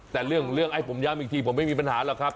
แต่เรื่องไอ้ผมย้ำอีกทีผมไม่มีปัญหาหรอกครับ